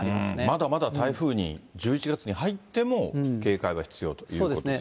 まだまだ台風に、１１月に入っても警戒は必要ということですね。